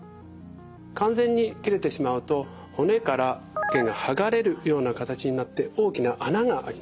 完全に切れてしまうと骨から腱が剥がれるような形になって大きな穴が開きます。